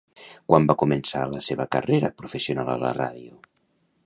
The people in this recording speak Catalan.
Quan va començar la seva carrera professional a la ràdio?